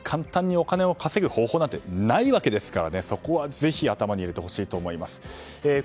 簡単にお金を稼ぐ方法はないわけですからそこはぜひ頭に置いてほしいと思います。